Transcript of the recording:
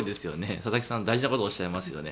佐々木さん、大事なことをおっしゃいますよね。